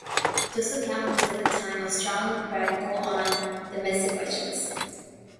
Joseph Cowen was at that time a strong Radical on domestic questions.